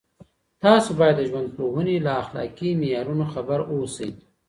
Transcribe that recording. تاسو باید د ژوندپوهنې له اخلاقي معیارونو خبر اوسئ.